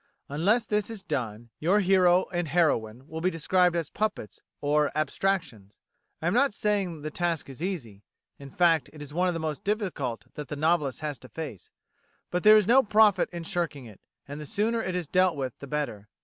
Unless this is done, your hero and heroine will be described as "puppets" or "abstractions." I am not saying the task is easy in fact, it is one of the most difficult that the novelist has to face. But there is no profit in shirking it, and the sooner it is dealt with the better.